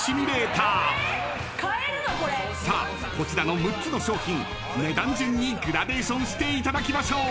［さあこちらの６つの商品値段順にグラデーションしていただきましょう］